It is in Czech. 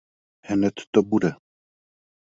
Hned to bude.